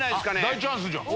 大チャンスじゃん！